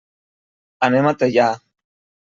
Anem a Teià.